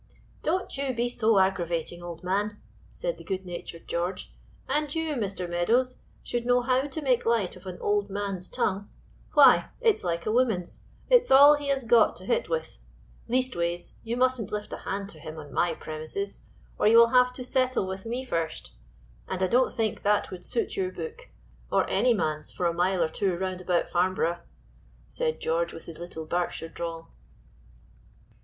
"Don't you be so aggravating, old man," said the good natured George, "and you, Mr. Meadows, should know how to make light of an old man's tongue; why it's like a woman's, it's all he has got to hit with; leastways you mustn't lift hand to him on my premises, or you will have to settle with me first; and I don't think that would suit your book or any man's for a mile or two round about Farnborough," said George with his little Berkshire drawl.